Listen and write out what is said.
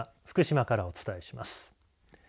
福島からお伝えします。